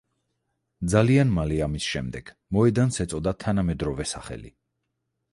ძალიან მალე ამის შემდეგ მოედანს ეწოდა თანამედროვე სახელი.